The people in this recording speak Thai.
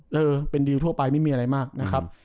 เออเป็นดิวทั่วไปไม่มีอะไรมากนะครับ